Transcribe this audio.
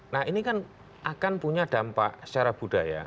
nah ini kan akan punya dampak secara budaya